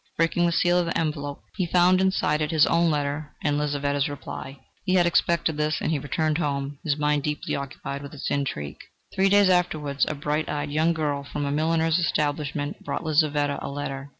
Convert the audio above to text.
Breaking the seal of the envelope, he found inside it his own letter and Lizaveta's reply. He had expected this, and he returned home, his mind deeply occupied with his intrigue. Three days afterwards, a bright eyed young girl from a milliner's establishment brought Lizaveta a letter.